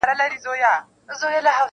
څو مجمر د آسمان تود وي -